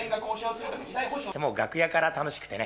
楽屋から楽しくてね。